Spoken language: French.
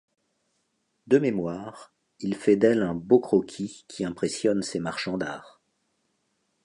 De mémoire, il fait d'elle un beau croquis qui impressionne ses marchands d'art.